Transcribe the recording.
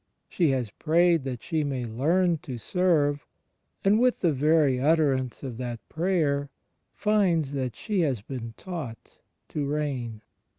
She has prayed that she may learn to serve, and with the very utterance of that prayer finds that she has been taught to reign.